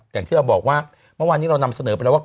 อย่างที่เราบอกว่าเมื่อวานนี้เรานำเสนอไปแล้วว่า